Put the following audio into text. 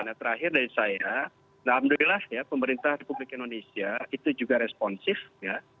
nah terakhir dari saya alhamdulillah ya pemerintah republik indonesia itu juga responsif ya